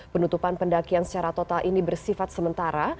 penutupan pendakian secara total ini bersifat sementara